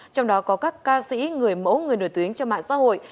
trong đó có các ca sĩ người mẫu người nổi tiếng cho mạng xã hội